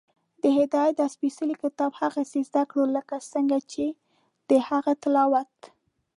د هدایت دا سپېڅلی کتاب هغسې زده کړو، لکه څنګه چې د هغه تلاوت